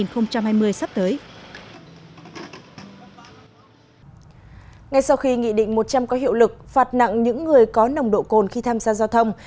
ngay sau khi nghị định một trăm linh có hiệu lực phạt nặng những người có nồng độ cồn khi tham gia giao thông